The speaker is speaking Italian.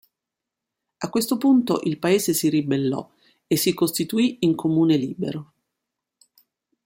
A questo punto il paese si ribellò e si costituì in Comune libero.